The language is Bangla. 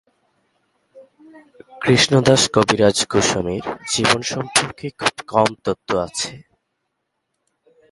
কৃষ্ণদাস কবিরাজ গোস্বামীর জীবন সম্পর্কে খুব কম তথ্য আছে।